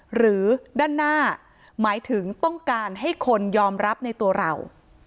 หรือด้านหน้าหมายถึงต้องการให้คนยอมรับในตัวเรา